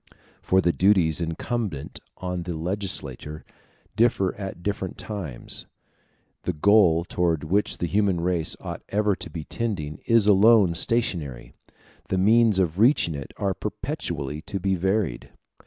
For the duties incumbent on the legislator differ at different times; the goal towards which the human race ought ever to be tending is alone stationary; the means of reaching it are perpetually to be varied.